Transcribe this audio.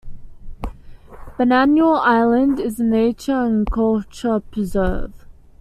Bananal Island is a nature and culture preserve.